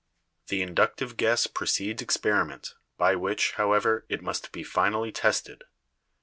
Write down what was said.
"The inductive guess precedes experiment, by which, however, it must be finally tested.